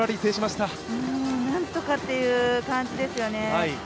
なんとかっていう感じですよね。